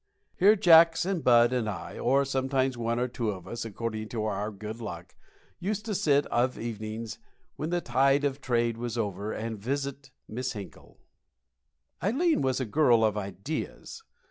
Here Jacks and Bud and I or sometimes one or two of us, according to our good luck used to sit of evenings when the tide of trade was over, and "visit" Miss Hinkle. Ileen was a girl of ideas.